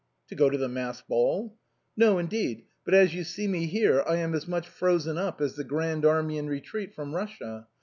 " To go to the masked ball ?"" No, indeed, but as you see me here, I am as much frozen up as the grand army in the retreat from Eussia.